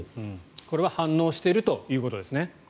これは反応しているということですね。